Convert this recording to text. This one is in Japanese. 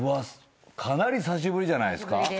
かなり久しぶりじゃないですか？